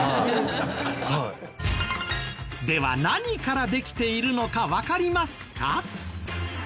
では何からできているのかわかりますか？